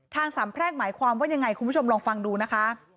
สามแพร่งหมายความว่ายังไงคุณผู้ชมลองฟังดูนะคะ